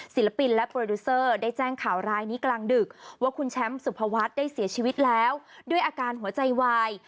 ศิลปินและโปรดิวเซอร์ได้แจ้งข่าวร้ายนี้กลางดึกว่าคุณแชมป์สุภวัฒน์ได้เสียชีวิตแล้วด้วยอาการหัวใจวาย